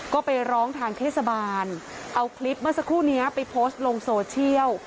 ก็ไปร้องทางเทศบาลเอาคลิปเมื่อสักครู่นี้ไปโพสต์ลงโซเชียล